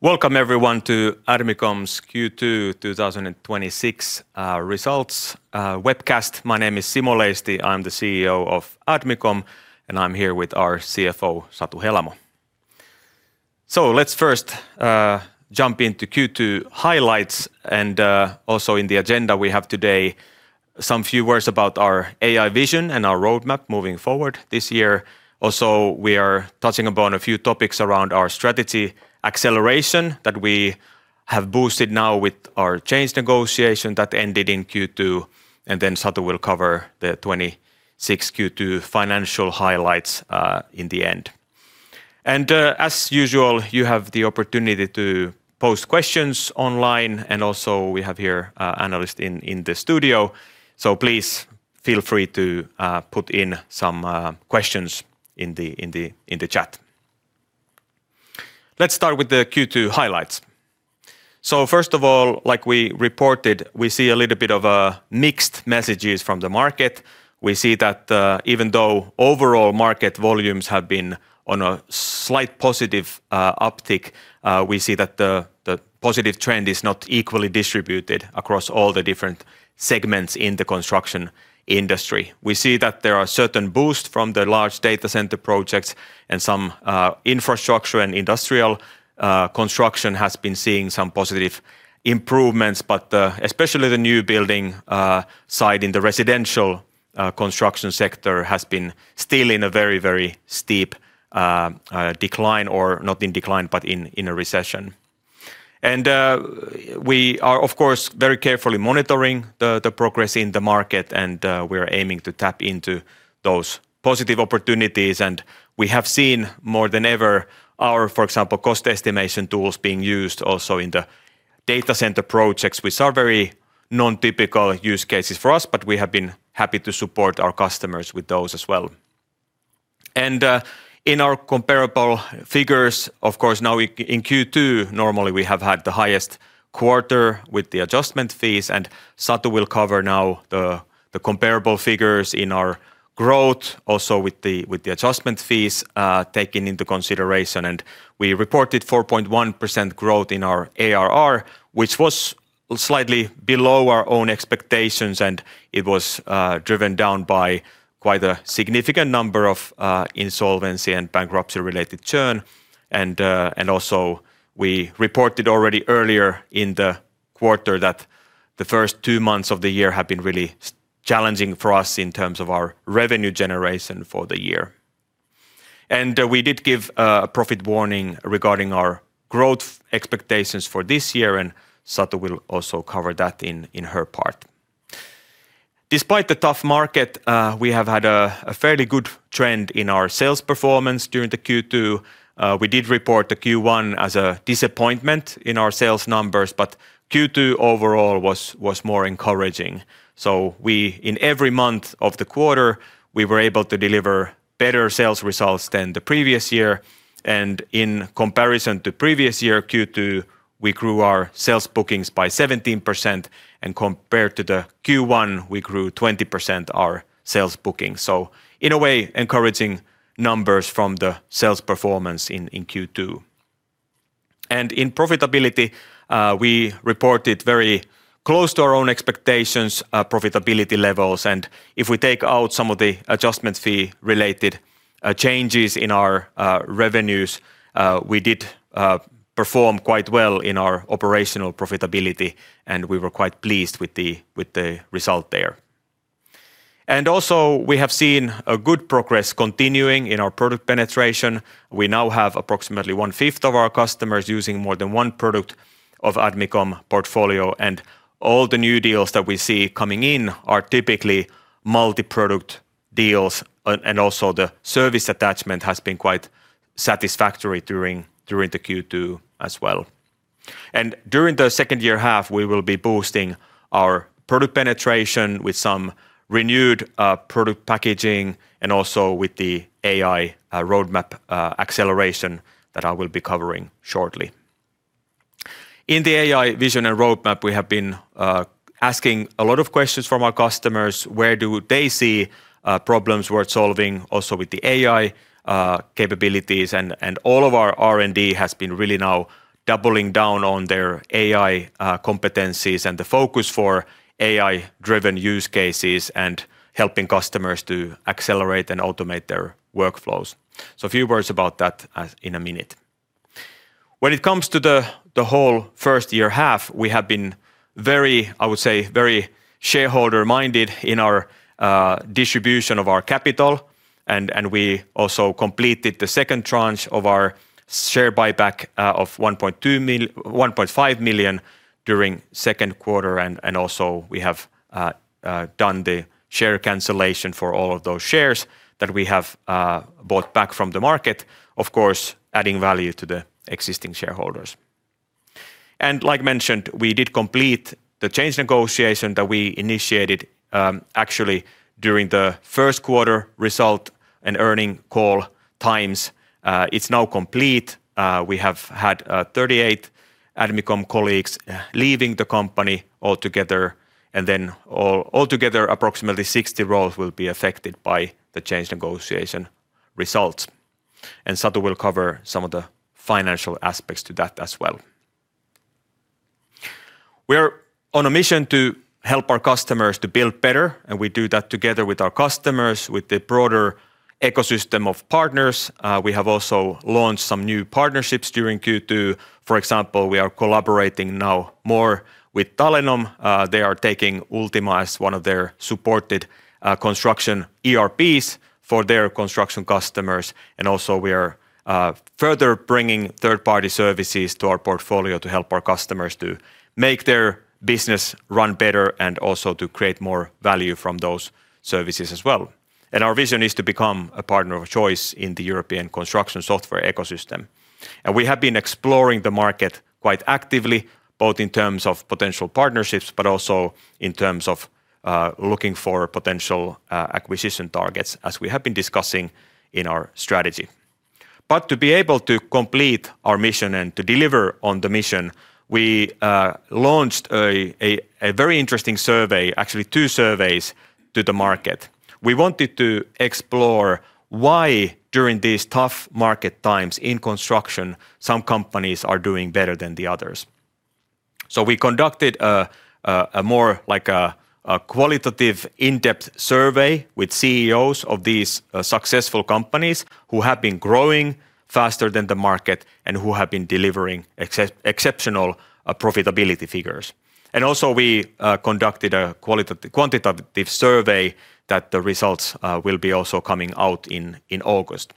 Welcome everyone to Admicom's Q2 2026 results webcast. My name is Simo Leisti. I'm the CEO of Admicom, and I'm here with our CFO, Satu Helamo. Let's first jump into Q2 highlights. Also in the agenda we have today some few words about our AI vision and our roadmap moving forward this year. Also, we are touching upon a few topics around our strategy acceleration that we have boosted now with our change negotiation that ended in Q2, and then Satu will cover the 2026 Q2 financial highlights in the end. As usual, you have the opportunity to post questions online. Also we have here an analyst in the studio. Please feel free to put in some questions in the chat. Let's start with the Q2 highlights. First of all, like we reported, we see a little bit of mixed messages from the market. We see that even though overall market volumes have been on a slight positive uptick, we see that the positive trend is not equally distributed across all the different segments in the construction industry. We see that there are certain boosts from the large data center projects and some infrastructure and industrial construction has been seeing some positive improvements. Especially the new building side in the residential construction sector has been still in a very steep decline, or not in decline, but in a recession. We are of course very carefully monitoring the progress in the market and we are aiming to tap into those positive opportunities. We have seen more than ever our, for example, cost estimation tools being used also in the data center projects, which are very non-typical use cases for us, but we have been happy to support our customers with those as well. In our comparable figures, of course now in Q2, normally we have had the highest quarter with the adjustment fees, and Satu will cover now the comparable figures in our growth also with the adjustment fees taken into consideration. We reported 4.1% growth in our ARR, which was slightly below our own expectations, and it was driven down by quite a significant number of insolvency and bankruptcy related churn. Also, we reported already earlier in the quarter that the first two months of the year have been really challenging for us in terms of our revenue generation for the year. We did give a profit warning regarding our growth expectations for this year, and Satu will also cover that in her part. Despite the tough market, we have had a fairly good trend in our sales performance during the Q2. We did report the Q1 as a disappointment in our sales numbers, but Q2 overall was more encouraging. In every month of the quarter, we were able to deliver better sales results than the previous year. In comparison to previous year Q2, we grew our sales bookings by 17%. Compared to the Q1, we grew 20% our sales bookings. In a way, encouraging numbers from the sales performance in Q2. In profitability, we reported very close to our own expectations profitability levels. If we take out some of the adjustments fee-related changes in our revenues, we did perform quite well in our operational profitability, and we were quite pleased with the result there. Also, we have seen a good progress continuing in our product penetration. We now have approximately one fifth of our customers using more than one product of Admicom portfolio. All the new deals that we see coming in are typically multi-product deals. The service attachment has been quite satisfactory during the Q2 as well. During the second year half, we will be boosting our product penetration with some renewed product packaging and also with the AI roadmap acceleration that I will be covering shortly. In the AI vision and roadmap, we have been asking a lot of questions from our customers, where do they see problems worth solving also with the AI capabilities. All of our R&D has been really now doubling down on their AI competencies and the focus for AI-driven use cases and helping customers to accelerate and automate their workflows. A few words about that in a minute. When it comes to the whole first year half, we have been very, I would say, very shareholder-minded in our distribution of our capital. We also completed the second tranche of our share buyback of 1.5 million during second quarter. We have done the share cancellation for all of those shares that we have bought back from the market. Of course, adding value to the existing shareholders. Like mentioned, we did complete the change negotiation that we initiated actually during the first quarter result and earning call times. It's now complete. We have had 38 Admicom colleagues leaving the company altogether. Altogether, approximately 60 roles will be affected by the change negotiation. Results. Satu will cover some of the financial aspects to that as well. We're on a mission to help our customers to build better, and we do that together with our customers, with the broader ecosystem of partners. We have also launched some new partnerships during Q2. For example, we are collaborating now more with Talenom. They are taking Ultima as one of their supported construction ERPs for their construction customers. We are further bringing third-party services to our portfolio to help our customers to make their business run better and also to create more value from those services as well. Our vision is to become a partner of choice in the European construction software ecosystem. We have been exploring the market quite actively, both in terms of potential partnerships, but also in terms of looking for potential acquisition targets, as we have been discussing in our strategy. To be able to complete our mission and to deliver on the mission, we launched a very interesting survey, actually two surveys, to the market. We wanted to explore why, during these tough market times in construction, some companies are doing better than the others. We conducted a more qualitative in-depth survey with CEOs of these successful companies who have been growing faster than the market and who have been delivering exceptional profitability figures. We conducted a quantitative survey that the results will be also coming out in August.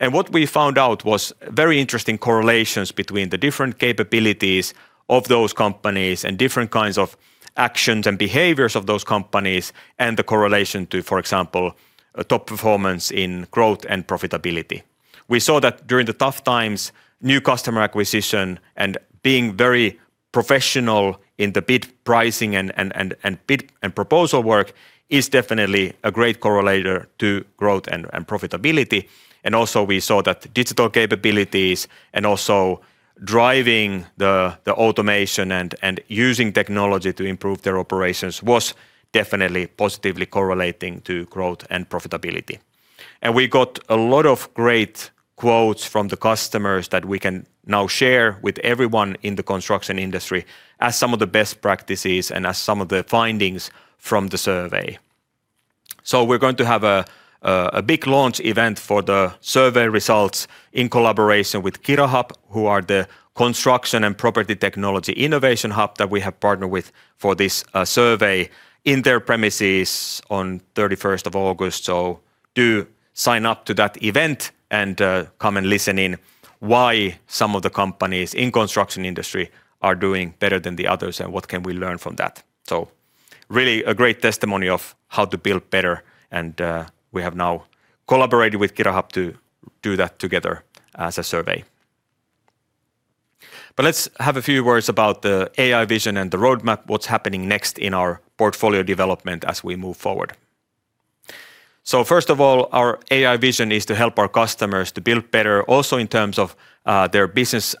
What we found out was very interesting correlations between the different capabilities of those companies and different kinds of actions and behaviors of those companies and the correlation to, for example, top performance in growth and profitability. We saw that during the tough times, new customer acquisition and being very professional in the bid pricing and bid and proposal work is definitely a great correlator to growth and profitability. Also we saw that digital capabilities and also driving the automation and using technology to improve their operations was definitely positively correlating to growth and profitability. We got a lot of great quotes from the customers that we can now share with everyone in the construction industry as some of the best practices and as some of the findings from the survey. We're going to have a big launch event for the survey results in collaboration with KIRAHub, who are the construction and property technology innovation hub that we have partnered with for this survey, in their premises on 31st of August. Do sign up to that event and come and listen in why some of the companies in construction industry are doing better than the others and what can we learn from that. Really a great testimony of how to build better, and we have now collaborated with KIRAHub to do that together as a survey. Let's have a few words about the AI vision and the roadmap, what's happening next in our portfolio development as we move forward. First of all, our AI vision is to help our customers to build better, also in terms of their business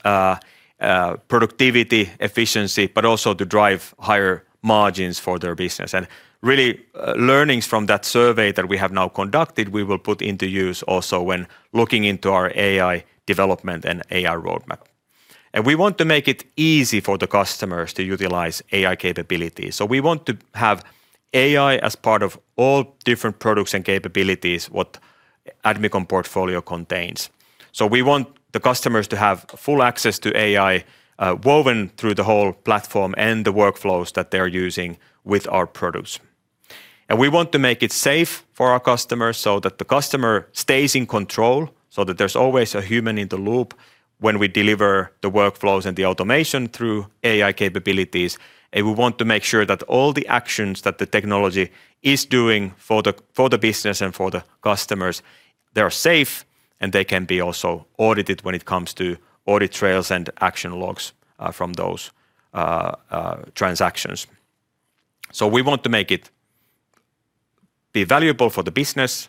productivity, efficiency, but also to drive higher margins for their business. Really, learnings from that survey that we have now conducted, we will put into use also when looking into our AI development and AI roadmap. We want to make it easy for the customers to utilize AI capabilities. We want to have AI as part of all different products and capabilities, what Admicom portfolio contains. We want the customers to have full access to AI woven through the whole platform and the workflows that they're using with our products. We want to make it safe for our customers so that the customer stays in control, so that there's always a human in the loop when we deliver the workflows and the automation through AI capabilities. We want to make sure that all the actions that the technology is doing for the business and for the customers, they're safe, and they can be also audited when it comes to audit trails and action logs from those transactions. We want to make it be valuable for the business,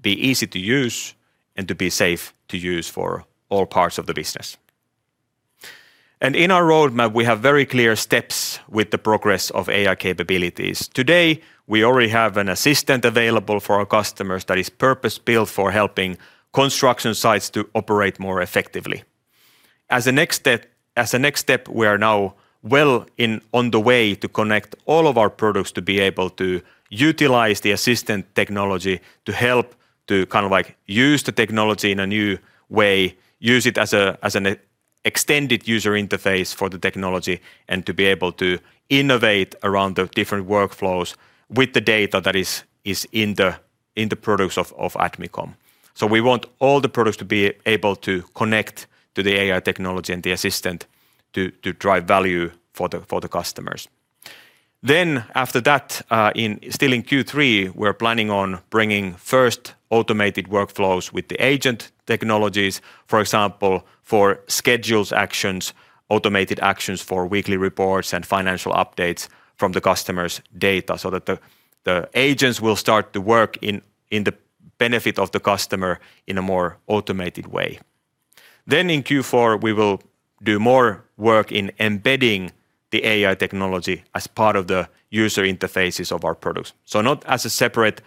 be easy to use, and to be safe to use for all parts of the business. In our roadmap, we have very clear steps with the progress of AI capabilities. Today, we already have an assistant available for our customers that is purpose-built for helping construction sites to operate more effectively. As the next step, we are now well on the way to connect all of our products to be able to utilize the assistant technology to help to use the technology in a new way, use it as an extended user interface for the technology, and to be able to innovate around the different workflows with the data that is in the products of Admicom. We want all the products to be able to connect to the AI technology and the assistant to drive value for the customers. Then, after that, still in Q3, we're planning on bringing first automated workflows with the agent technologies, for example, for scheduled actions, automated actions for weekly reports, and financial updates from the customer's data so that the agents will start to work in the benefit of the customer in a more automated way. In Q4, we will do more work in embedding the AI technology as part of the user interfaces of our products. Not as a separate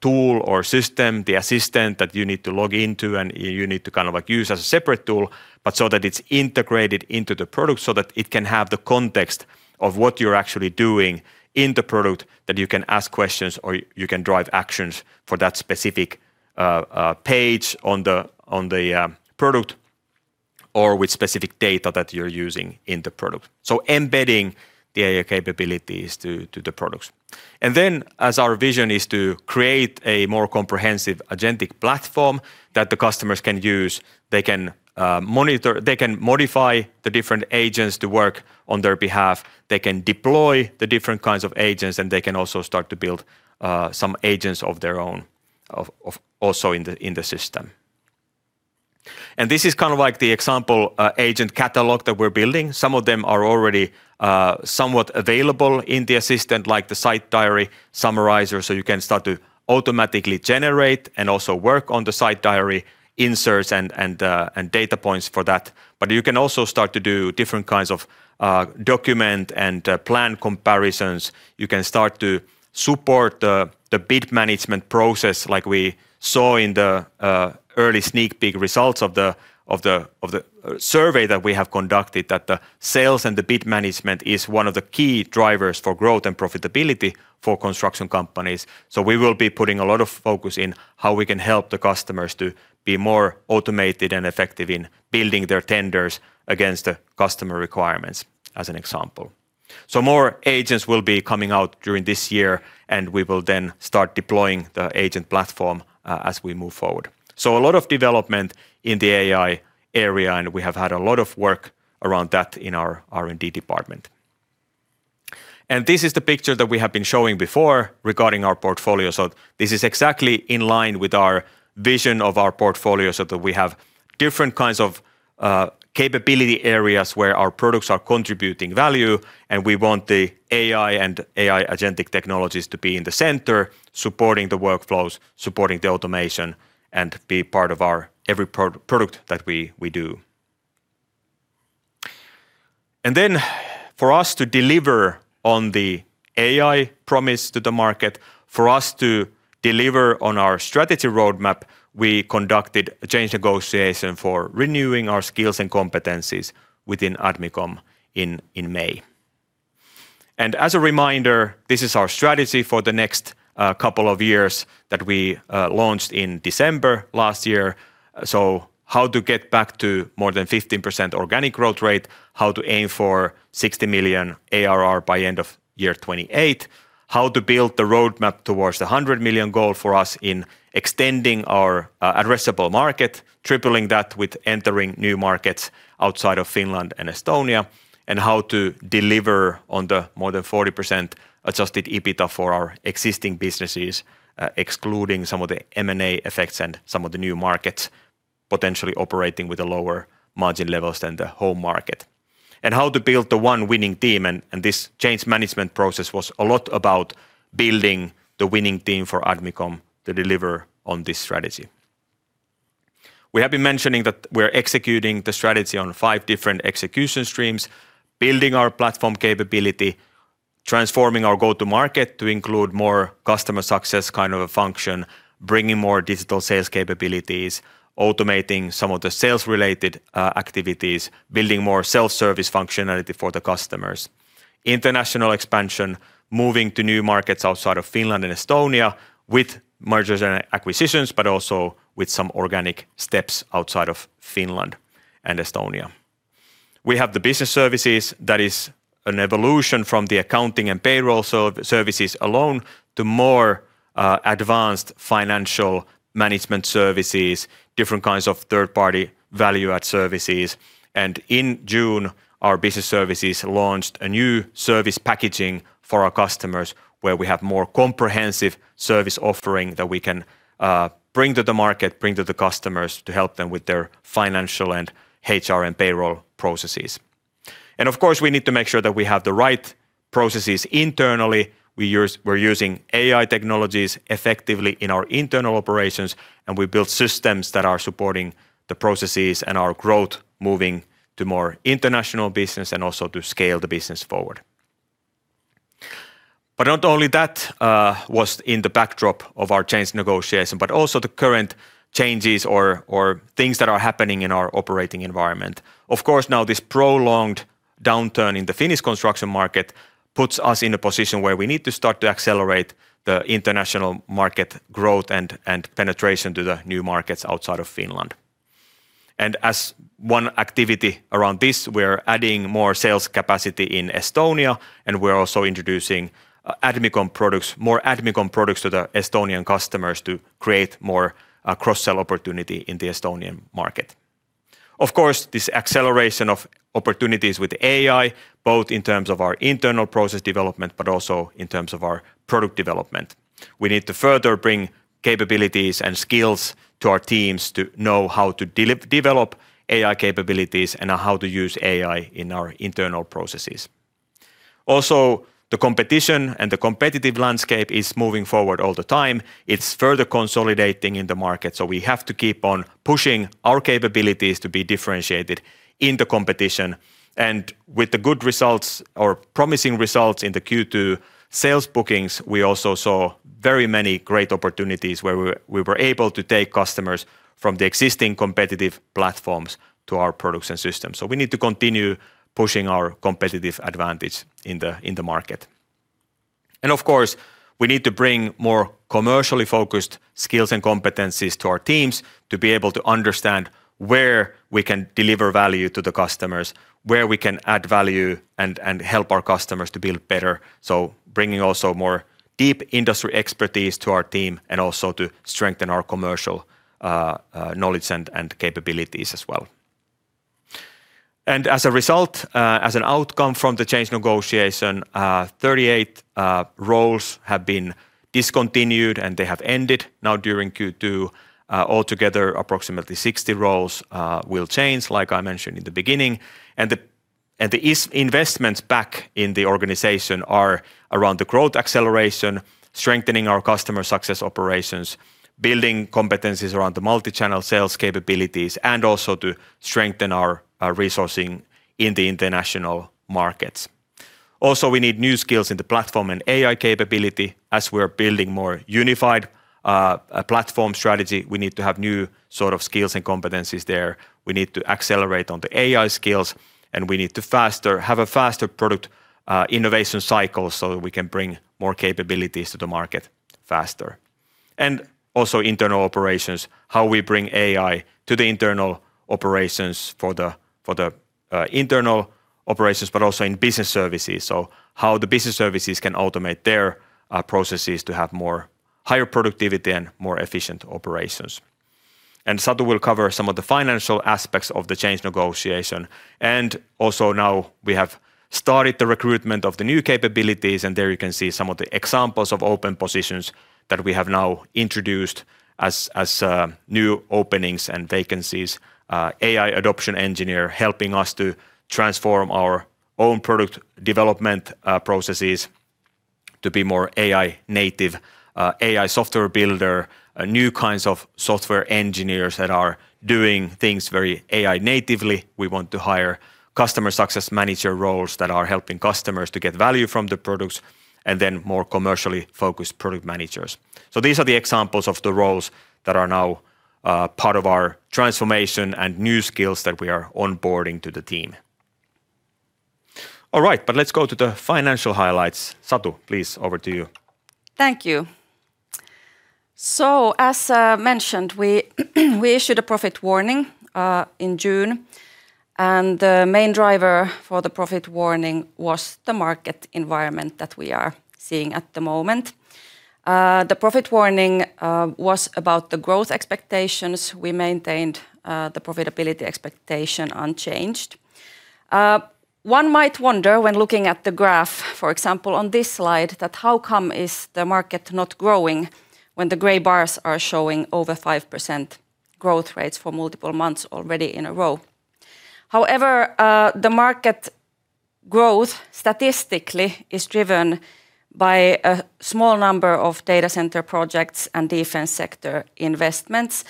tool or system, the assistant that you need to log into and you need to use as a separate tool, but so that it's integrated into the product so that it can have the context of what you're actually doing in the product, that you can ask questions, or you can drive actions for that specific page on the product or with specific data that you're using in the product. Embedding the AI capabilities to the products. As our vision is to create a more comprehensive agentic platform that the customers can use, they can modify the different agents to work on their behalf, they can deploy the different kinds of agents, they can also start to build some agents of their own, also in the system. This is kind of like the example agent catalog that we're building. Some of them are already somewhat available in the assistant, like the site diary summarizer, so you can start to automatically generate and also work on the site diary inserts and data points for that. You can also start to do different kinds of document and plan comparisons. You can start to support the bid management process like we saw in the early sneak peek results of the survey that we have conducted, that the sales and the bid management is one of the key drivers for growth and profitability for construction companies. We will be putting a lot of focus in how we can help the customers to be more automated and effective in building their tenders against the customer requirements, as an example. More agents will be coming out during this year, we will then start deploying the agent platform as we move forward. A lot of development in the AI area, we have had a lot of work around that in our R&D department. This is the picture that we have been showing before regarding our portfolio. This is exactly in line with our vision of our portfolio, so that we have different kinds of capability areas where our products are contributing value, and we want the AI and AI agentic technologies to be in the center, supporting the workflows, supporting the automation, and be part of our every product that we do. For us to deliver on the AI promise to the market, for us to deliver on our strategy roadmap, we conducted a change negotiation for renewing our skills and competencies within Admicom in May. As a reminder, this is our strategy for the next couple of years that we launched in December last year. How to get back to more than 15% organic growth rate, how to aim for 60 million ARR by end of year 2028, how to build the roadmap towards the 100 million goal for us in extending our addressable market, tripling that with entering new markets outside of Finland and Estonia, and how to deliver on the more than 40% adjusted EBITDA for our existing businesses, excluding some of the M&A effects and some of the new markets potentially operating with the lower margin levels than the whole market. How to build the one winning team, and this change management process was a lot about building the winning team for Admicom to deliver on this strategy. We have been mentioning that we're executing the strategy on five different execution streams, building our platform capability, transforming our go-to-market to include more customer success kind of a function, bringing more digital sales capabilities, automating some of the sales-related activities, building more self-service functionality for the customers. International expansion, moving to new markets outside of Finland and Estonia with mergers and acquisitions, but also with some organic steps outside of Finland and Estonia. We have the business services that is an evolution from the accounting and payroll services alone to more advanced financial management services, different kinds of third-party value-add services. In June, our business services launched a new service packaging for our customers where we have more comprehensive service offering that we can bring to the market, bring to the customers to help them with their financial and HR and payroll processes. Of course, we need to make sure that we have the right processes internally. We're using AI technologies effectively in our internal operations, and we build systems that are supporting the processes and our growth moving to more international business and also to scale the business forward. Not only that was in the backdrop of our change negotiation, but also the current changes or things that are happening in our operating environment. Of course, now this prolonged downturn in the Finnish construction market puts us in a position where we need to start to accelerate the international market growth and penetration to the new markets outside of Finland. As one activity around this, we're adding more sales capacity in Estonia, and we're also introducing more Admicom products to the Estonian customers to create more cross-sell opportunity in the Estonian market. Of course, this acceleration of opportunities with AI, both in terms of our internal process development, but also in terms of our product development. We need to further bring capabilities and skills to our teams to know how to develop AI capabilities and how to use AI in our internal processes. Also, the competition and the competitive landscape is moving forward all the time. It's further consolidating in the market, so we have to keep on pushing our capabilities to be differentiated in the competition. With the good results or promising results in the Q2 sales bookings, we also saw very many great opportunities where we were able to take customers from the existing competitive platforms to our products and systems. We need to continue pushing our competitive advantage in the market. Of course, we need to bring more commercially focused skills and competencies to our teams to be able to understand where we can deliver value to the customers, where we can add value and help our customers to build better. Bringing also more deep industry expertise to our team and also to strengthen our commercial knowledge and capabilities as well. As a result, as an outcome from the change negotiation, 38 roles have been discontinued, and they have ended now during Q2. Altogether, approximately 60 roles will change, like I mentioned in the beginning. The investments back in the organization are around the growth acceleration, strengthening our customer success operations, building competencies around the multichannel sales capabilities, and also to strengthen our resourcing in the international markets. Also, we need new skills in the platform and AI capability. As we're building more unified platform strategy, we need to have new sort of skills and competencies there. We need to accelerate on the AI skills, and we need to have a faster product innovation cycle so that we can bring more capabilities to the market faster. Also internal operations, how we bring AI to the internal operations for the internal operations, but also in business services. How the business services can automate their processes to have more higher productivity and more efficient operations. Satu will cover some of the financial aspects of the change negotiation. Also now we have started the recruitment of the new capabilities, and there you can see some of the examples of open positions that we have now introduced as new openings and vacancies. AI adoption engineer helping us to transform our own product development processes to be more AI native. AI software builder. New kinds of software engineers that are doing things very AI natively. We want to hire customer success manager roles that are helping customers to get value from the products, and then more commercially focused product managers. These are the examples of the roles that are now part of our transformation and new skills that we are onboarding to the team. All right, let's go to the financial highlights. Satu, please, over to you. Thank you. As mentioned, we issued a profit warning in June, the main driver for the profit warning was the market environment that we are seeing at the moment. The profit warning was about the growth expectations. We maintained the profitability expectation unchanged. One might wonder when looking at the graph, for example, on this slide, that how come is the market not growing when the gray bars are showing over 5% growth rates for multiple months already in a row. However, the market growth statistically is driven by a small number of data center projects and defense sector investments.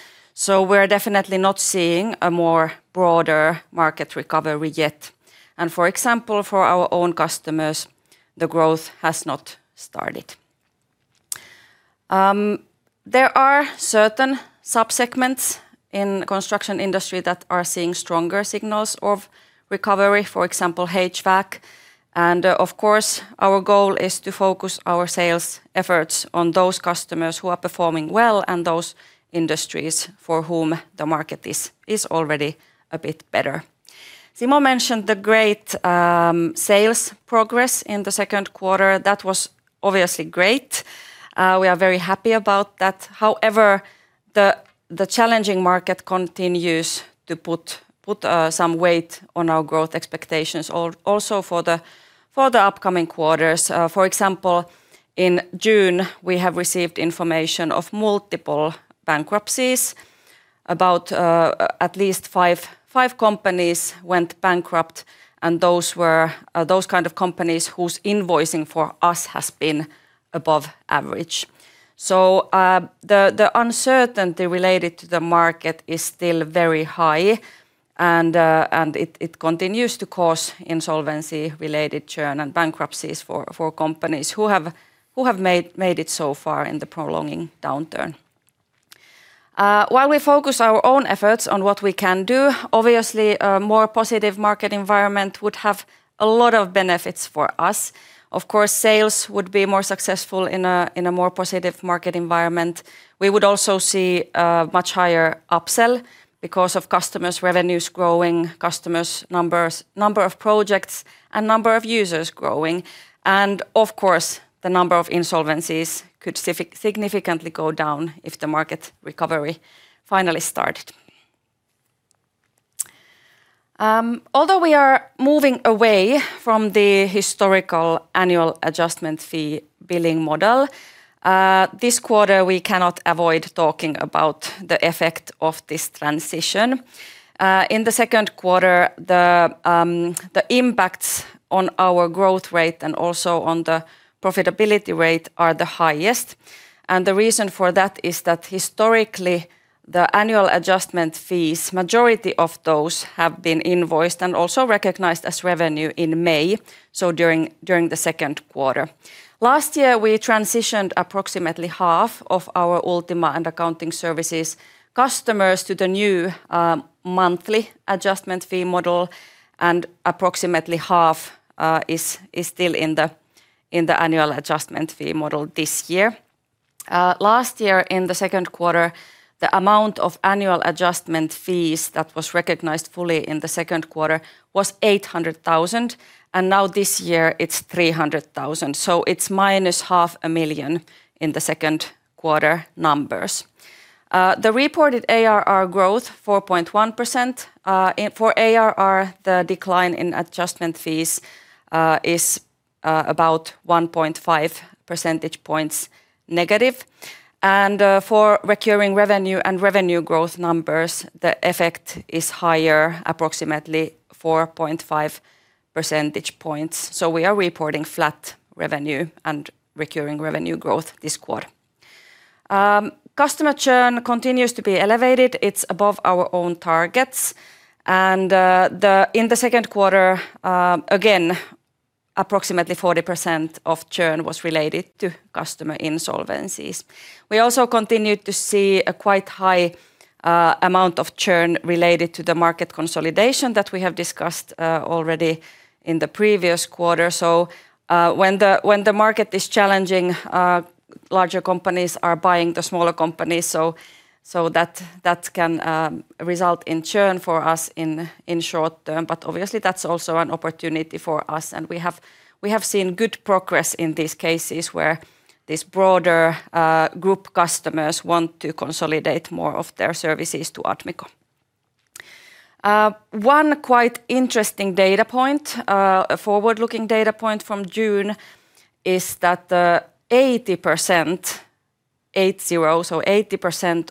We're definitely not seeing a more broader market recovery yet. For example, for our own customers, the growth has not started. There are certain subsegments in construction industry that are seeing stronger signals of recovery, for example, HVAC. Of course, our goal is to focus our sales efforts on those customers who are performing well and those industries for whom the market is already a bit better. Simo mentioned the great sales progress in the second quarter. That was obviously great. We are very happy about that. However, the challenging market continues to put some weight on our growth expectations also for the upcoming quarters. For example, in June, we have received information of multiple bankruptcies. About at least five companies went bankrupt, and those were those kind of companies whose invoicing for us has been above average. The uncertainty related to the market is still very high, and it continues to cause insolvency-related churn and bankruptcies for companies who have made it so far in the prolonging downturn. While we focus our own efforts on what we can do, obviously, a more positive market environment would have a lot of benefits for us. Of course, sales would be more successful in a more positive market environment. We would also see a much higher upsell because of customers' revenues growing, customers' number of projects, and number of users growing. Of course, the number of insolvencies could significantly go down if the market recovery finally started. Although we are moving away from the historical annual adjustment fee billing model, this quarter, we cannot avoid talking about the effect of this transition. In the second quarter, the impacts on our growth rate and also on the profitability rate are the highest. The reason for that is that historically, the annual adjustment fees, majority of those have been invoiced and also recognized as revenue in May, so during the second quarter. Last year, we transitioned approximately half of our Ultima and accounting services customers to the new monthly adjustment fee model, and approximately half is still in the annual adjustment fee model this year. Last year, in the second quarter, the amount of annual adjustment fees that was recognized fully in the second quarter was 800,000, and now this year it's 300,000. It's -500,000 in the second quarter numbers. The reported ARR growth, 4.1%. For ARR, the decline in adjustment fees is about -1.5 percentage points. For recurring revenue and revenue growth numbers, the effect is higher, approximately 4.5 percentage points. We are reporting flat revenue and recurring revenue growth this quarter. Customer churn continues to be elevated. It's above our own targets. In the second quarter, again, approximately 40% of churn was related to customer insolvencies. We also continued to see a quite high amount of churn related to the market consolidation that we have discussed already in the previous quarter. When the market is challenging, larger companies are buying the smaller companies, that can result in churn for us in short term. Obviously, that's also an opportunity for us, and we have seen good progress in these cases where these broader group customers want to consolidate more of their services to Admicom. One quite interesting data point, a forward-looking data point from June, is that 80%, eight, zero, so 80%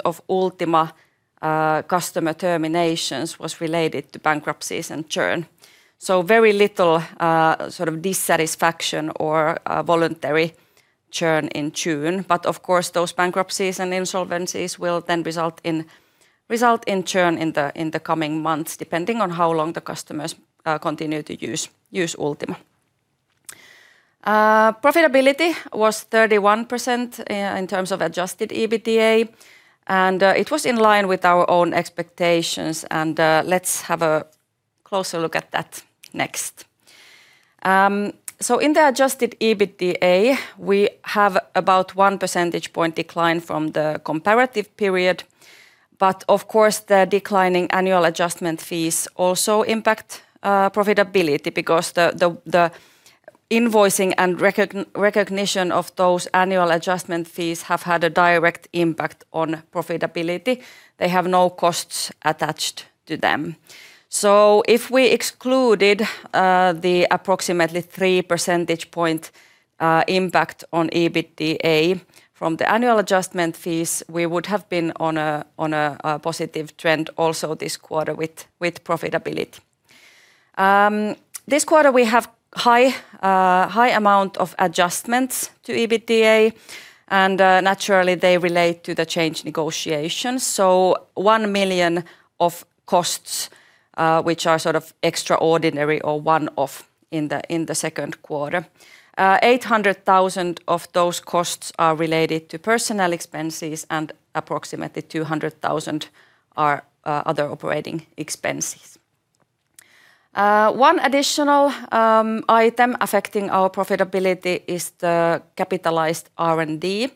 of Ultima customer terminations was related to bankruptcies and churn. Very little sort of dissatisfaction or voluntary churn in June. Of course, those bankruptcies and insolvencies will then result in churn in the coming months, depending on how long the customers continue to use Ultima. Profitability was 31% in terms of adjusted EBITDA, it was in line with our own expectations, let's have a closer look at that next. In the adjusted EBITDA, we have about 1 percentage point decline from the comparative period. Of course, the declining annual adjustment fees also impact profitability because the invoicing and recognition of those annual adjustment fees have had a direct impact on profitability. They have no costs attached to them. If we excluded the approximately 3 percentage point impact on EBITDA from the annual adjustment fees, we would have been on a positive trend also this quarter with profitability. This quarter, we have high amount of adjustments to EBITDA, naturally, they relate to the change negotiations. 1 million of costs, which are sort of extraordinary or one-off in the second quarter. 800,000 of those costs are related to personnel expenses, approximately 200,000 are other operating expenses. One additional item affecting our profitability is the capitalized R&D.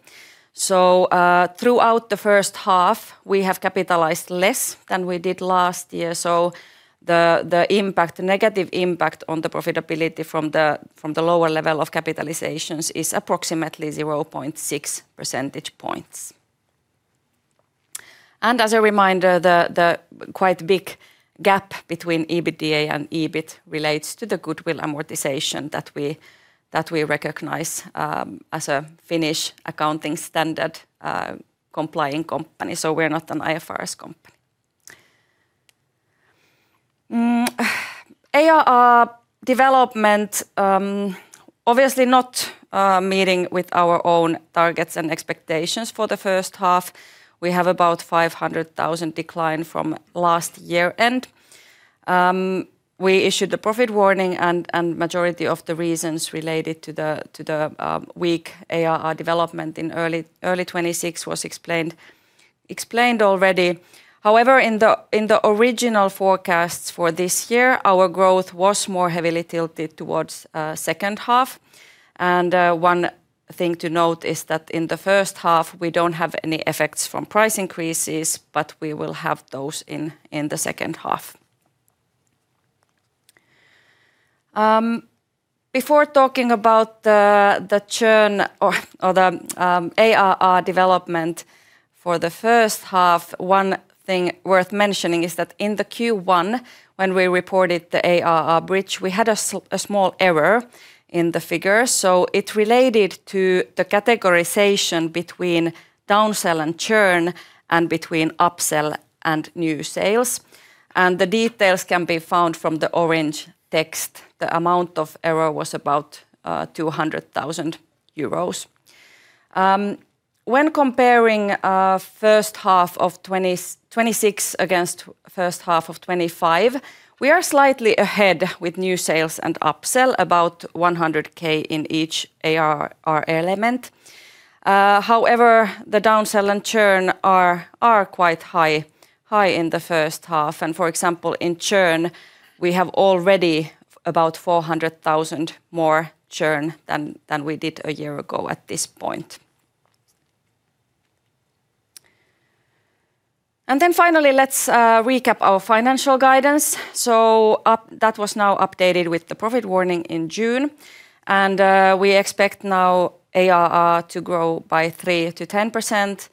Throughout the first half, we have capitalized less than we did last year, the negative impact on the profitability from the lower level of capitalizations is approximately 0.6 percentage points. As a reminder, the quite big gap between EBITDA and EBIT relates to the goodwill amortization that we recognize as a Finnish accounting standard-compliant company. We're not an IFRS company. ARR development, obviously not meeting with our own targets and expectations for the first half. We have about 500,000 decline from last year-end. We issued the profit warning, majority of the reasons related to the weak ARR development in early 2026 was explained already. However, in the original forecasts for this year, our growth was more heavily tilted towards second half. One thing to note is that in the first half, we don't have any effects from price increases, we will have those in the second half. Before talking about the churn or the ARR development for the first half, one thing worth mentioning is that in the Q1, when we reported the ARR bridge, we had a small error in the figures. It related to the categorization between down-sell and churn, between up-sell and new sales. The details can be found from the orange text. The amount of error was about 200,000 euros. When comparing first half of 2026 against first half of 2025, we are slightly ahead with new sales and up-sell, about 100,000 in each ARR element. However, the down-sell and churn are quite high in the first half. For example, in churn, we have already about 400,000 more churn than we did a year ago at this point. Finally, let's recap our financial guidance. That was now updated with the profit warning in June. We expect now ARR to grow by 3%-10%,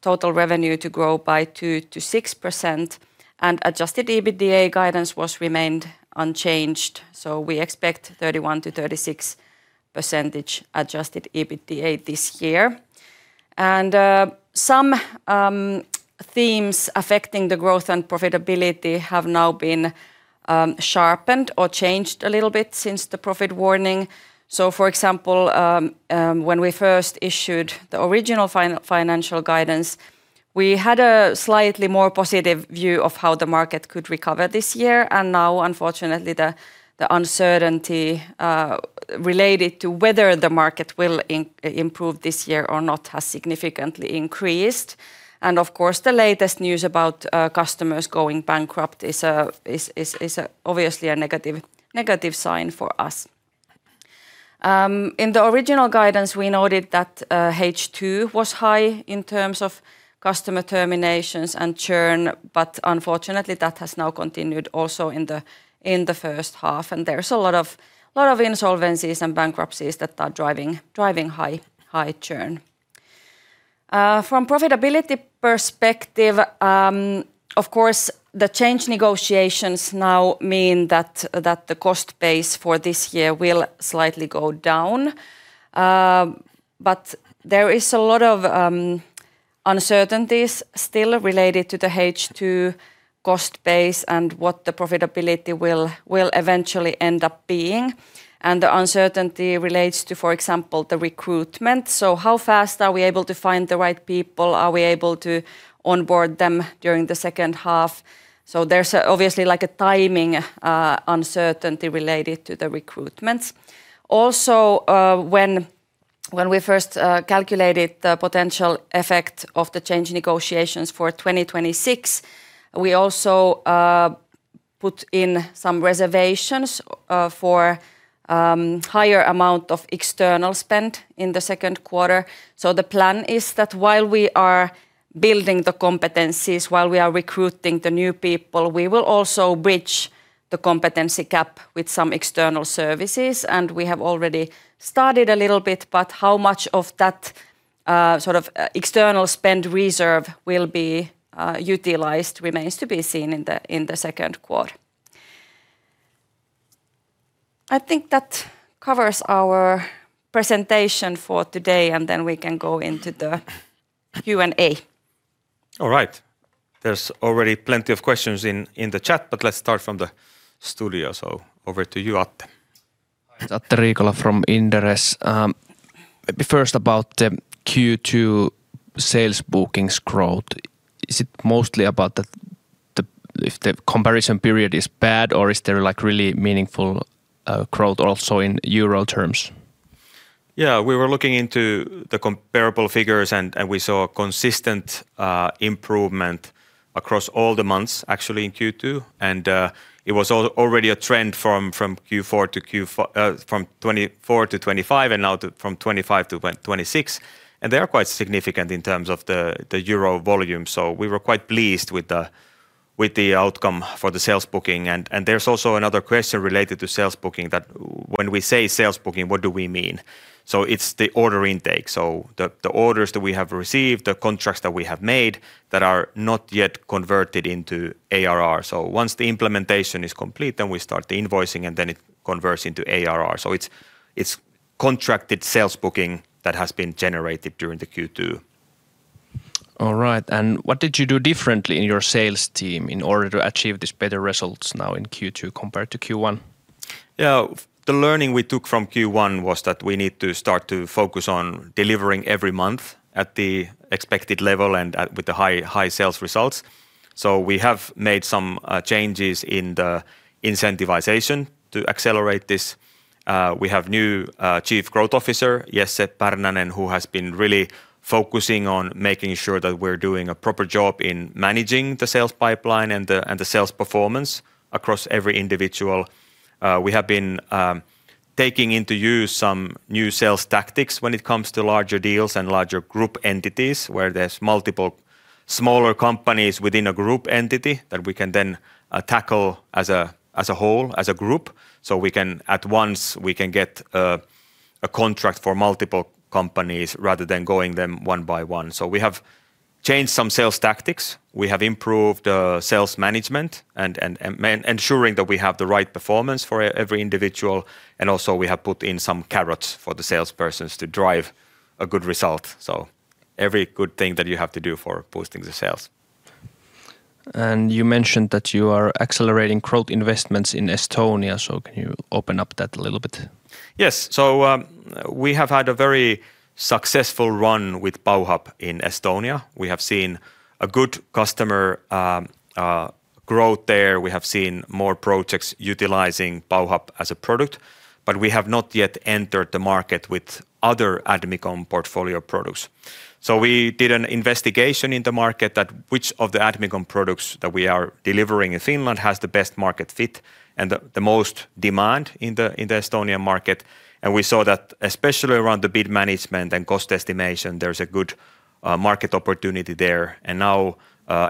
total revenue to grow by 2%-6%, and adjusted EBITDA guidance was remained unchanged. We expect 31%-36% adjusted EBITDA this year. Some themes affecting the growth and profitability have now been sharpened or changed a little bit since the profit warning. For example, when we first issued the original financial guidance, we had a slightly more positive view of how the market could recover this year. Now unfortunately, the uncertainty related to whether the market will improve this year or not has significantly increased. Of course, the latest news about customers going bankrupt is obviously a negative sign for us. In the original guidance, we noted that H2 was high in terms of customer terminations and churn, unfortunately, that has now continued also in the first half. There's a lot of insolvencies and bankruptcies that are driving high churn. From profitability perspective, of course, the change negotiations now mean that the cost base for this year will slightly go down. There is a lot of uncertainties still related to the H2 cost base and what the profitability will eventually end up being. The uncertainty relates to, for example, the recruitment. How fast are we able to find the right people? Are we able to onboard them during the second half? There's obviously a timing uncertainty related to the recruitments. Also, when we first calculated the potential effect of the change negotiations for 2026, we also put in some reservations for higher amount of external spend in the second quarter. The plan is that while we are building the competencies, while we are recruiting the new people, we will also bridge the competency gap with some external services, and we have already started a little bit. How much of that external spend reserve will be utilized remains to be seen in the second quarter. I think that covers our presentation for today, then we can go into the Q&A. All right. There's already plenty of questions in the chat, let's start from the studio. Over to you, Atte. Atte Riikola from Inderes. Maybe first about the Q2 sales bookings growth. Is it mostly about if the comparison period is bad, or is there really meaningful growth also in euro terms? Yeah. We were looking into the comparable figures, we saw a consistent improvement across all the months, actually, in Q2. It was already a trend from 2024 to 2025, now from 2025 to 2026. They are quite significant in terms of the euro volume. We were quite pleased with the outcome for the sales booking. There's also another question related to sales booking that when we say sales booking, what do we mean? It's the order intake. The orders that we have received, the contracts that we have made that are not yet converted into ARR. Once the implementation is complete, we start the invoicing, it converts into ARR. It's contracted sales booking that has been generated during the Q2. All right. What did you do differently in your sales team in order to achieve these better results now in Q2 compared to Q1? The learning we took from Q1 was that we need to start to focus on delivering every month at the expected level and with the high sales results. We have made some changes in the incentivization to accelerate this. We have new Chief Growth Officer, Jesse Pärnänen, who has been really focusing on making sure that we're doing a proper job in managing the sales pipeline and the sales performance across every individual. We have been taking into use some new sales tactics when it comes to larger deals and larger group entities where there's multiple smaller companies within a group entity that we can then tackle as a whole, as a group, so at once we can get a contract for multiple companies rather than going them one by one. We have changed some sales tactics. We have improved sales management, ensuring that we have the right performance for every individual. Also, we have put in some carrots for the salespersons to drive a good result. Every good thing that you have to do for boosting the sales. You mentioned that you are accelerating growth investments in Estonia. Can you open up that a little bit? Yes. We have had a very successful run with Bauhub in Estonia. We have seen a good customer growth there. We have seen more projects utilizing Bauhub as a product. We have not yet entered the market with other Admicom portfolio products. We did an investigation in the market that which of the Admicom products that we are delivering in Finland has the best market fit and the most demand in the Estonian market. We saw that especially around the bid management and cost estimation, there's a good market opportunity there. Now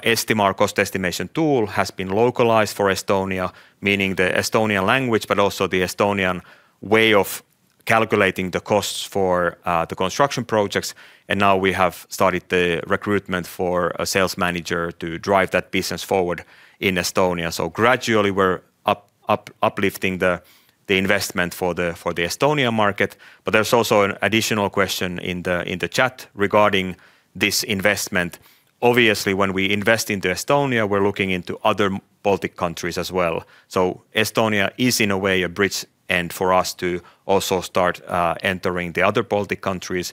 Estima, our cost estimation tool, has been localized for Estonia, meaning the Estonian language, but also the Estonian way of calculating the costs for the construction projects. Now we have started the recruitment for a sales manager to drive that business forward in Estonia. Gradually we're uplifting the investment for the Estonian market. There's also an additional question in the chat regarding this investment. Obviously, when we invest into Estonia, we're looking into other Baltic countries as well. Estonia is in a way a bridge, and for us to also start entering the other Baltic countries.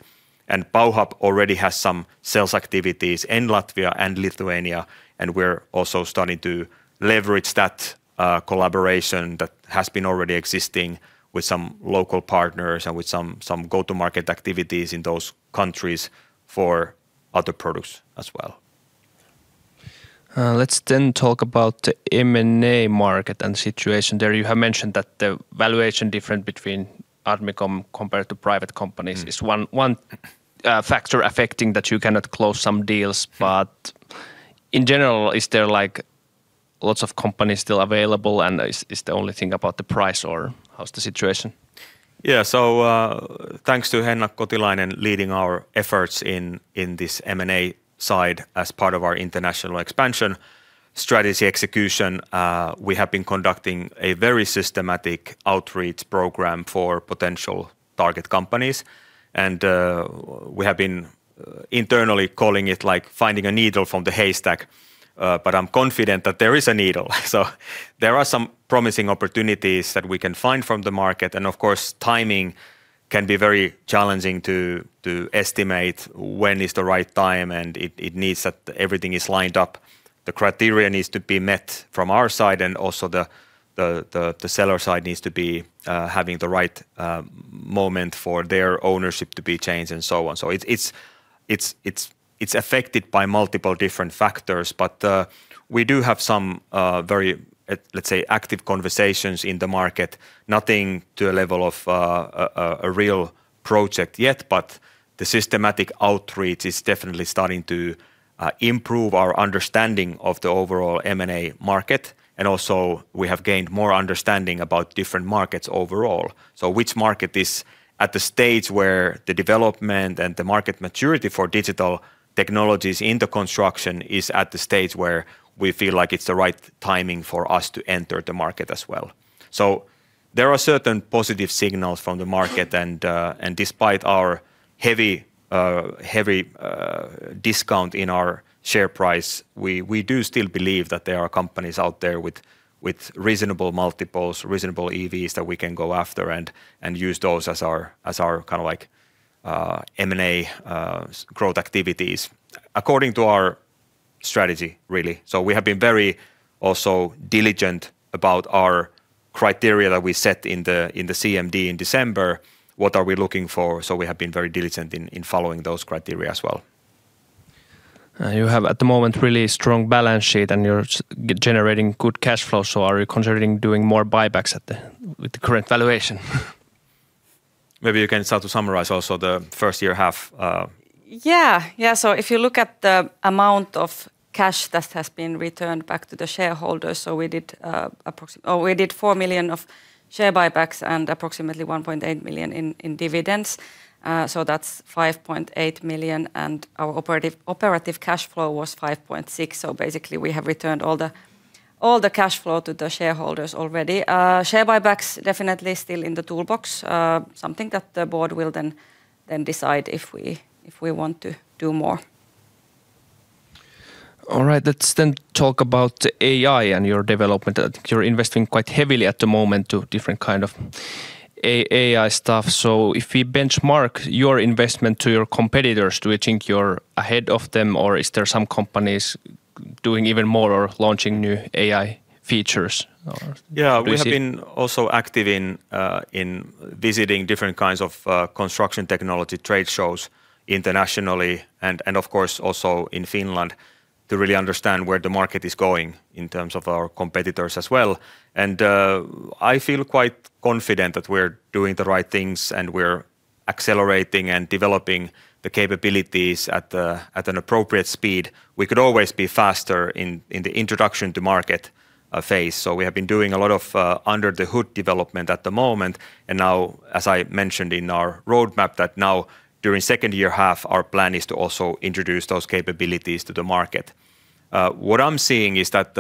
Bauhub already has some sales activities in Latvia and Lithuania. We're also starting to leverage that collaboration that has been already existing with some local partners and with some go-to-market activities in those countries for other products as well. Let's then talk about the M&A market and situation there. You have mentioned that the valuation difference between Admicom compared to private companies is one factor affecting that you cannot close some deals. But in general, is there lots of companies still available, and is the only thing about the price, or how's the situation? Thanks to Henna Kotilainen leading our efforts in this M&A side as part of our international expansion strategy execution. We have been conducting a very systematic outreach program for potential target companies. We have been internally calling it finding a needle from the haystack. I'm confident that there is a needle. There are some promising opportunities that we can find from the market. Of course, timing can be very challenging to estimate when is the right time, and it needs that everything is lined up. The criteria needs to be met from our side. Also the seller side needs to be having the right moment for their ownership to be changed and so on. It's affected by multiple different factors. We do have some very, let's say, active conversations in the market. Nothing to a level of a real project yet, but the systematic outreach is definitely starting to improve our understanding of the overall M&A market. Also, we have gained more understanding about different markets overall. Which market is at the stage where the development and the market maturity for digital technologies in the construction is at the stage where we feel like it's the right timing for us to enter the market as well. There are certain positive signals from the market. Despite our heavy discount in our share price, we do still believe that there are companies out there with reasonable multiples, reasonable EVs that we can go after and use those as our kind of M&A growth activities according to our strategy, really. We have been very also diligent about our criteria that we set in the CMD in December, what are we looking for. We have been very diligent in following those criteria as well. You have at the moment really strong balance sheet, and you're generating good cash flow. Are you considering doing more buybacks with the current valuation? Maybe you can start to summarize also the first year half. Yeah. If you look at the amount of cash that has been returned back to the shareholders, we did 4 million of share buybacks and approximately 1.8 million in dividends. That's 5.8 million, and our operative cash flow was 5.6 million. Basically, we have returned all the cash flow to the shareholders already. Share buybacks definitely still in the toolbox. Something that the board will then decide if we want to do more. All right. Let's talk about the AI and your development. I think you're investing quite heavily at the moment to different kind of AI stuff. If we benchmark your investment to your competitors, do you think you're ahead of them, or is there some companies doing even more or launching new AI features? Yeah. We have been also active in visiting different kinds of construction technology trade shows internationally and of course, also in Finland, to really understand where the market is going in terms of our competitors as well. I feel quite confident that we're doing the right things, and we're accelerating and developing the capabilities at an appropriate speed. We could always be faster in the introduction to market phase. We have been doing a lot of under-the-hood development at the moment. Now, as I mentioned in our roadmap, that now during second year half, our plan is to also introduce those capabilities to the market. What I'm seeing is that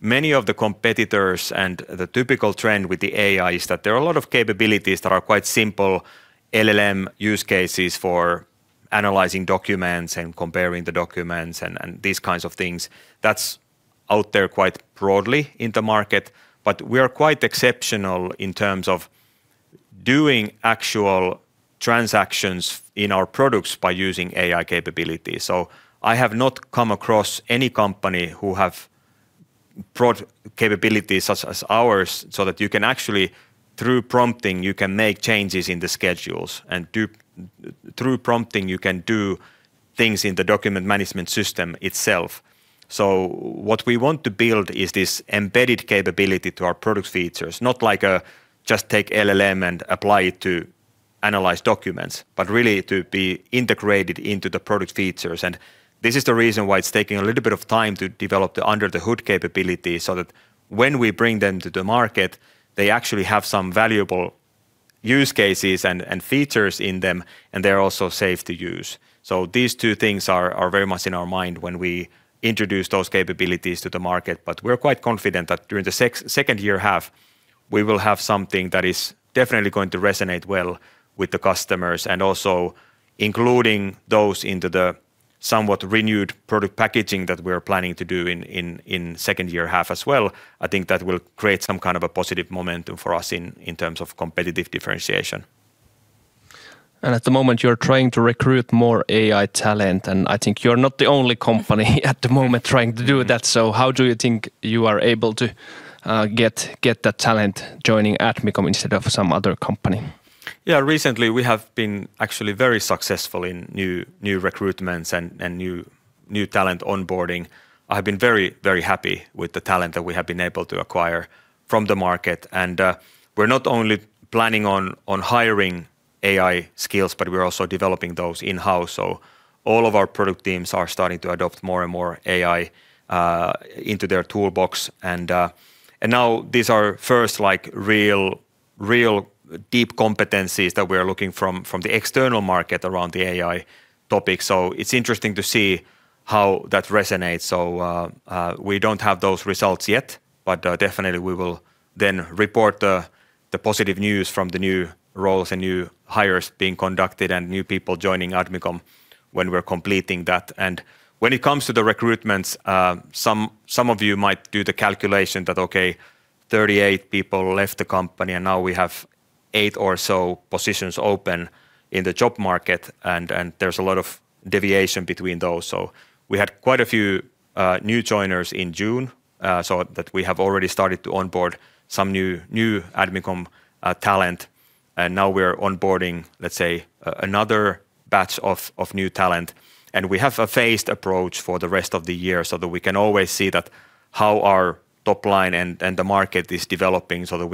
many of the competitors and the typical trend with the AI is that there are a lot of capabilities that are quite simple LLM use cases for analyzing documents and comparing the documents and these kinds of things. That's out there quite broadly in the market, but we are quite exceptional in terms of doing actual transactions in our products by using AI capabilities. I have not come across any company who have broad capabilities such as ours, so that you can actually, through prompting, you can make changes in the schedules, and through prompting, you can do things in the document management system itself. What we want to build is this embedded capability to our product features. Not like just take LLM and apply it to analyze documents, but really to be integrated into the product features. This is the reason why it's taking a little bit of time to develop the under-the-hood capability, so that when we bring them to the market, they actually have some valuable use cases and features in them, and they're also safe to use. These two things are very much in our mind when we introduce those capabilities to the market. We're quite confident that during the second year half, we will have something that is definitely going to resonate well with the customers and also including those into the somewhat renewed product packaging that we're planning to do in second year half as well. I think that will create some kind of a positive momentum for us in terms of competitive differentiation. At the moment, you're trying to recruit more AI talent, and I think you're not the only company at the moment trying to do that. How do you think you are able to get that talent joining Admicom instead of some other company? Yeah. Recently, we have been actually very successful in new recruitments and new talent onboarding. I have been very happy with the talent that we have been able to acquire from the market. We're not only planning on hiring AI skills, but we're also developing those in-house. All of our product teams are starting to adopt more and more AI into their toolbox. Now these are first real deep competencies that we are looking from the external market around the AI topic. It's interesting to see how that resonates. We don't have those results yet, but definitely we will then report the positive news from the new roles and new hires being conducted and new people joining Admicom when we're completing that. When it comes to the recruitments, some of you might do the calculation that, okay, 38 people left the company. Now we have eight or so positions open in the job market, there's a lot of deviation between those. We had quite a few new joiners in June, so that we have already started to onboard some new Admicom talent. Now we're onboarding, let's say, another batch of new talent. We have a phased approach for the rest of the year so that we can always see that how our top line and the market is developing so that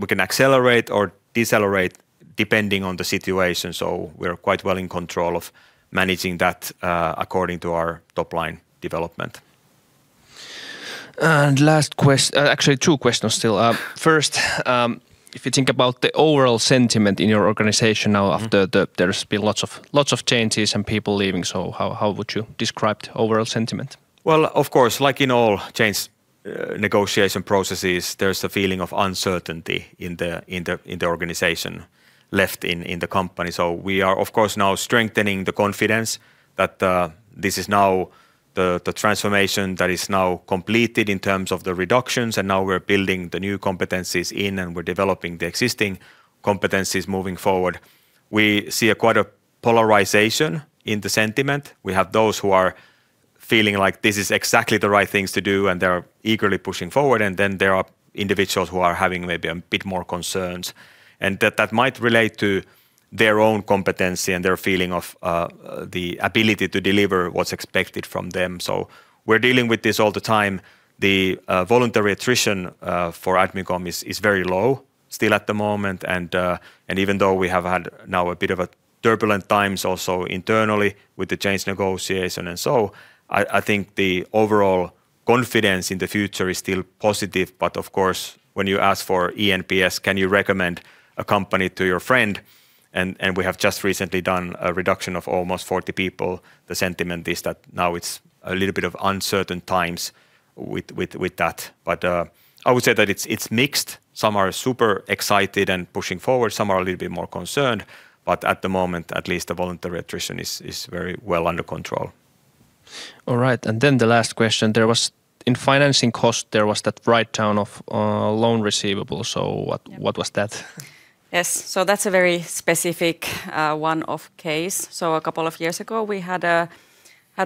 we can accelerate or decelerate depending on the situation. We're quite well in control of managing that according to our top-line development. Last question. Actually, two questions still. First, if you think about the overall sentiment in your organization now after there's been lots of changes and people leaving, how would you describe the overall sentiment? Well, of course, like in all change negotiation processes, there's a feeling of uncertainty in the organization left in the company. We are, of course, now strengthening the confidence that this is now the transformation that is now completed in terms of the reductions. Now we're building the new competencies in, we're developing the existing competencies moving forward. We see quite a polarization in the sentiment. We have those who are feeling like this is exactly the right thing to do, and they're eagerly pushing forward. Then there are individuals who are having maybe a bit more concerns, that might relate to their own competency and their feeling of the ability to deliver what's expected from them. We're dealing with this all the time. The voluntary attrition for Admicom is very low still at the moment. Even though we have had now a bit of turbulent times also internally with the change negotiation and so on, I think the overall confidence in the future is still positive. Of course, when you ask for ENPS, can you recommend a company to your friend? We have just recently done a reduction of almost 40 people. The sentiment is that now it's a little bit of uncertain times with that. I would say that it's mixed. Some are super excited and pushing forward, some are a little bit more concerned, but at the moment, at least the voluntary attrition is very well under control. All right. Then the last question. In financing cost, there was that write-down of loan receivable. What was that? Yes. That's a very specific one-off case. A couple of years ago, we had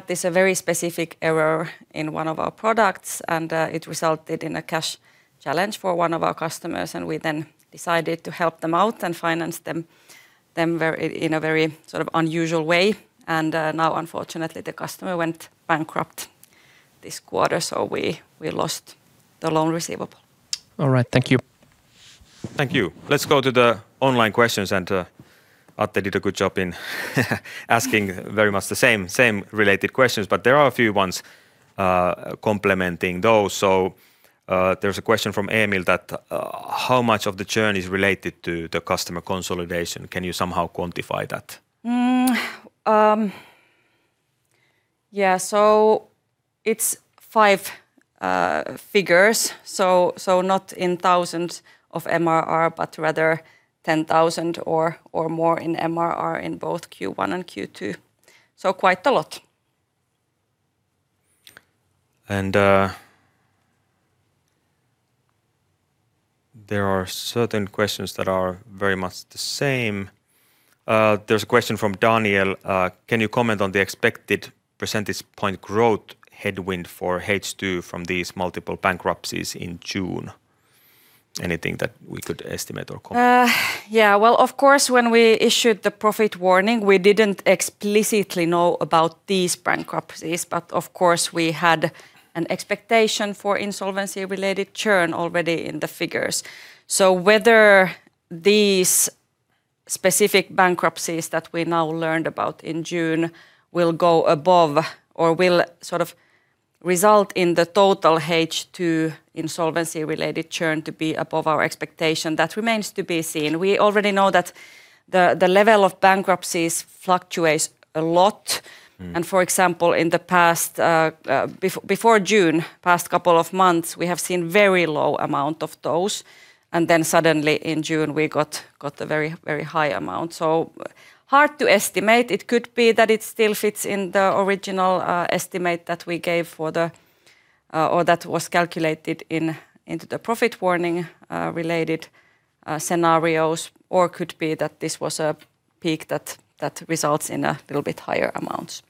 this very specific error in one of our products, and it resulted in a cash challenge for one of our customers, and we then decided to help them out and finance them in a very unusual way. Now, unfortunately, the customer went bankrupt this quarter, so we lost the loan receivable. All right. Thank you. Thank you. Let's go to the online questions. Atte did a good job in asking very much the same related questions, there are a few ones complementing those. There's a question from Emil that, how much of the churn is related to the customer consolidation? Can you somehow quantify that? It's five figures, not in thousands of MRR, but rather 10,000 or more in MRR in both Q1 and Q2, so quite a lot. There are certain questions that are very much the same. There's a question from Daniel. Can you comment on the expected percentage point growth headwind for H2 from these multiple bankruptcies in June? Anything that we could estimate or comment? Of course, when we issued the profit warning, we didn't explicitly know about these bankruptcies, of course, we had an expectation for insolvency-related churn already in the figures. Whether these specific bankruptcies that we now learned about in June will go above or will result in the total H2 insolvency-related churn to be above our expectation, that remains to be seen. We already know that the level of bankruptcies fluctuates a lot. For example, before June, past couple of months, we have seen very low amount of those, then suddenly in June, we got a very high amount. Hard to estimate. It could be that it still fits in the original estimate that we gave, or that was calculated into the profit warning related scenarios. Could be that this was a peak that results in a little bit higher amounts.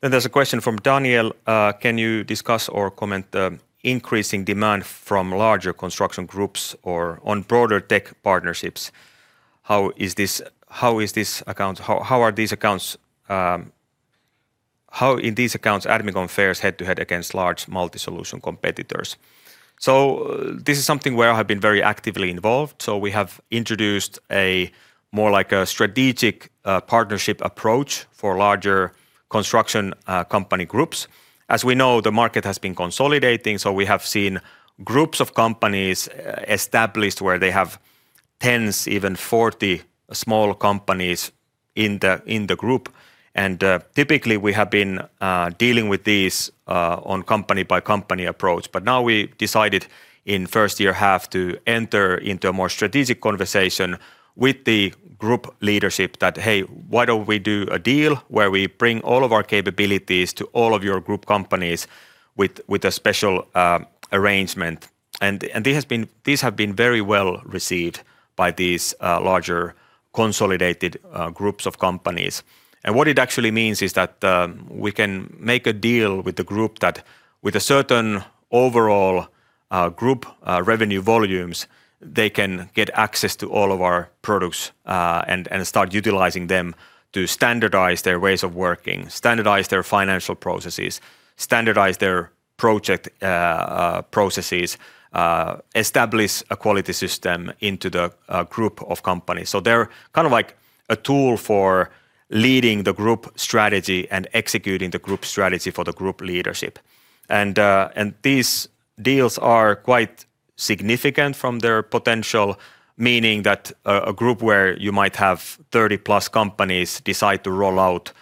There's a question from Daniel. Can you discuss or comment the increasing demand from larger construction groups or on broader tech partnerships? How, in these accounts, Admicom fares head-to-head against large multi-solution competitors? This is something where I have been very actively involved. We have introduced more like a strategic partnership approach for larger construction company groups. As we know, the market has been consolidating, we have seen groups of companies established where they have tens, even 40 small companies in the group. Typically, we have been dealing with these on company-by-company approach, but now we decided in first year half to enter into a more strategic conversation with the group leadership that, Hey, why don't we do a deal where we bring all of our capabilities to all of your group companies with a special arrangement? These have been very well received by these larger consolidated groups of companies. What it actually means is that we can make a deal with the group that with a certain overall group revenue volumes, they can get access to all of our products, and start utilizing them to standardize their ways of working, standardize their financial processes, standardize their project processes, establish a quality system into the group of companies. They're kind of like a tool for leading the group strategy and executing the group strategy for the group leadership. These deals are quite significant from their potential, meaning that a group where you might have 30+ companies decide to roll out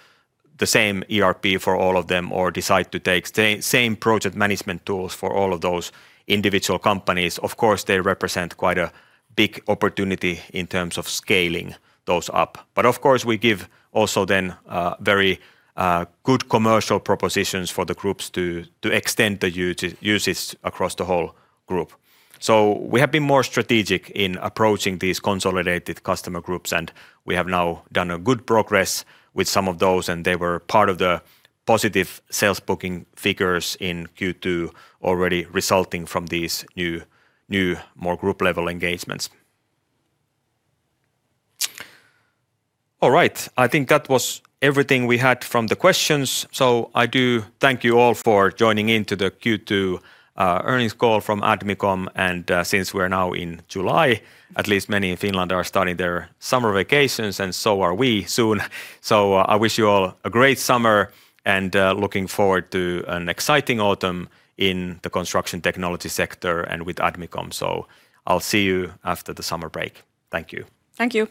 the same ERP for all of them, or decide to take same project management tools for all of those individual companies. Of course, they represent quite a big opportunity in terms of scaling those up. Of course, we give also then very good commercial propositions for the groups to extend the usage across the whole group. We have been more strategic in approaching these consolidated customer groups and we have now done a good progress with some of those. They were part of the positive sales booking figures in Q2 already resulting from these new, more group level engagements. Alright, I think that was everything we had from the questions. I do thank you all for joining in to the Q2 earnings call from Admicom. Since we're now in July, at least many in Finland are starting their summer vacations, and so are we soon. I wish you all a great summer and looking forward to an exciting autumn in the construction technology sector and with Admicom. I'll see you after the summer break. Thank you. Thank you.